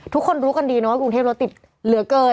ทุกคนรู้กันดีนะว่ากรุงเทพรถติดเหลือเกิน